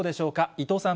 伊藤さん。